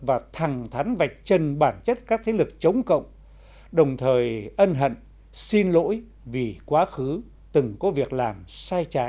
và thẳng thắn vạch chân bản chất các thế lực chống cộng đồng thời ân hận xin lỗi vì quá khứ từng có việc làm sai trái